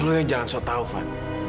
lu yang jangan sok tau fad